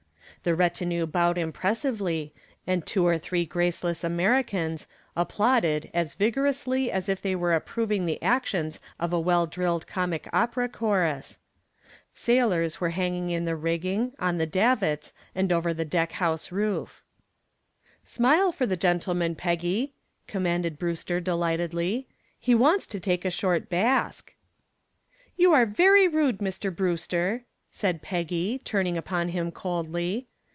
The retinue bowed impressively and two or three graceless Americans applauded as vigorously as if they were approving the actions of a well drilled comic opera chorus. Sailors were hanging in the rigging, on the davits and over the deck house roof. "Smile for the gentleman, Peggy," commanded Brewster delightedly. "He wants to take a short bask." "You are very rude, Mr. Brewster," said Peggy, turning upon him coldly.